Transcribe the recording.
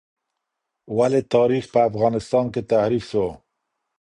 ولې تاریخ په افغانستان کې تحریف سو؟